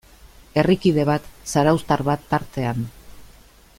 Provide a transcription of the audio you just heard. Herrikide bat, zarauztar bat tartean.